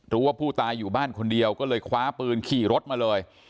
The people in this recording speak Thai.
รู้ว่าผู้ตายอยู่บ้านคนเดียวก็เลยคว้าปืนขี่รถมาเลย